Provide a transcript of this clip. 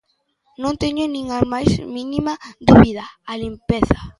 Non teño nin a máis mínima dúbida: a limpeza.